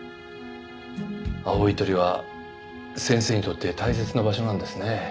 青い鳥は先生にとって大切な場所なんですね。